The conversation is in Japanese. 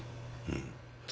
うん。